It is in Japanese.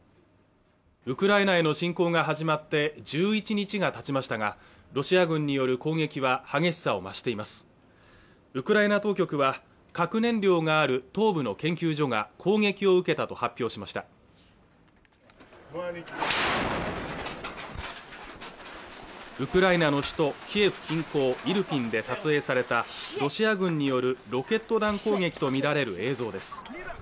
ウクライナへの侵攻が始まって１１日がたちましたがロシア軍による攻撃は激しさを増していますウクライナ当局は核燃料がある東部の研究所が攻撃を受けたと発表しましたウクライナの首都キエフ近郊イルピンで撮影されたロシア軍によるロケット弾攻撃と見られる映像です